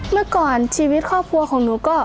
เมื่อก่อนชีวิตครอบครัวของหนูก็